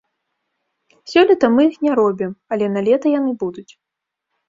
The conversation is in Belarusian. Сёлета мы іх не робім, але налета яны будуць.